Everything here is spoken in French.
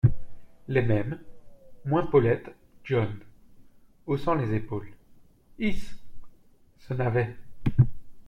Les Mêmes, moins Paulette John, haussant les épaules. — Isse !… ce navet !…